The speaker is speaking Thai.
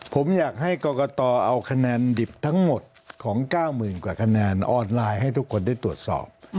ผมอยากให้กรกตเอาคะแนนดิบทั้งหมดของ๙๐๐๐กว่าคะแนนออนไลน์ให้ทุกคนได้ตรวจสอบ